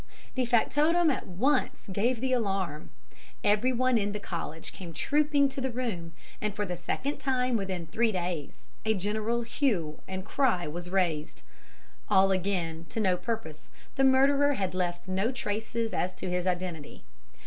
"The factotum at once gave the alarm. Everyone in the College came trooping to the room, and for the second time within three days a general hue and cry was raised. All, again, to no purpose the murderer had left no traces as to his identity.